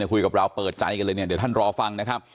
ก็เปิดใจกันเลยเดี๋ยวท่านรอฟังนะครับ